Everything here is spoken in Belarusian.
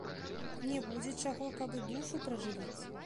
Не будзе чаго, каб і душу пражывіць.